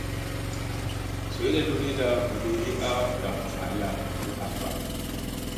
Zoyda ludiida guduygi a ɗaf balda u happa.